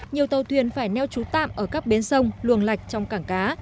nhiều tàu thuyền phải neo trú tạm ở các bến sông luồng lạch trong cảng cá